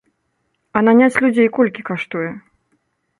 А наняць людзей колькі каштуе?